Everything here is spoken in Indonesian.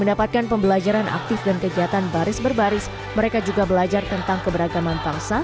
mendapatkan pembelajaran aktif dan kegiatan baris berbaris mereka juga belajar tentang keberagaman bangsa